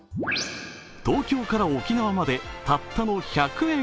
東京から沖縄までたったの１００円！